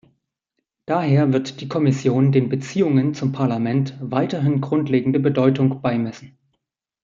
Daher wird die Kommission den Beziehungen zum Parlament weiterhin grundlegende Bedeutung beimessen.